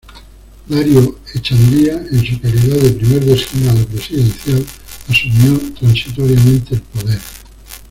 Darío Echandía en su calidad de Primer Designado presidencial, asumió transitoriamente el poder.